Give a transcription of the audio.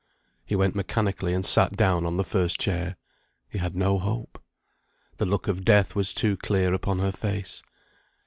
He went mechanically and sat down on the first chair. He had no hope. The look of death was too clear upon her face.